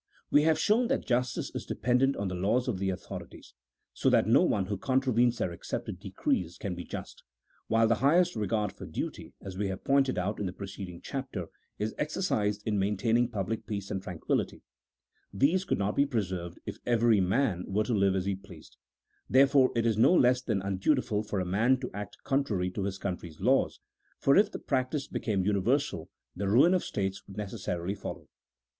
We have shown that justice is depen dent on the laws of the authorities, so that no one who contravenes their accepted decrees can be just, while the highest regard for duty, as we have pointed out in the pre ceding chapter, is exercised in maintaining public peace and tranquillity ; these could not be preserved if every man were to live as he pleased ; therefore it is no less than undu tiful for a man to act contrary to his country's laws, for if the practice became universal the ruin of states would necessarily follow.